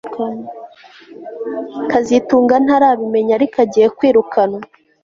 kazitunga ntarabimenya ariko agiye kwirukanwa